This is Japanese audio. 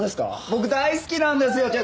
僕大好きなんですよ！